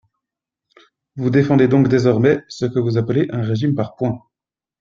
Vous défendez donc désormais ce que vous appelez un régime par points.